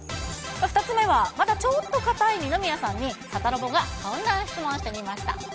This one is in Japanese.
２つ目はまだちょっと硬い二宮さんに、サタロボがこんな質問をしてみました。